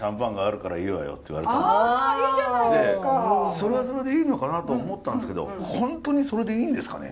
それはそれでいいのかなと思ったんですけど本当にそれでいいんですかね？